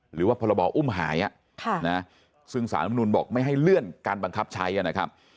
หรือว่าพรบอุ้มหายซึ่งสารธรรมนุนบอกไม่ให้เลื่อนการบังคับใช้นะครับ